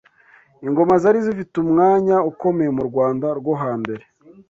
Ingoma zari zifite umwanya ukomye mu Rwanda rwo ha mbere